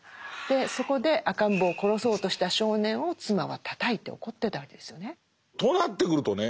そこで赤ん坊を殺そうとした少年を妻はたたいて怒ってたわけですよね。となってくるとね